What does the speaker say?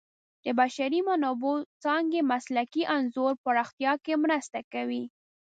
د بشري منابعو څانګې مسلکي انځور پراختیا کې مرسته کوي.